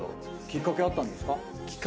きっかけあったんですか？